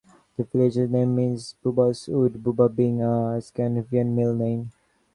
The village's name means "Bubba's wood", Bubba being a Scandinavian male name.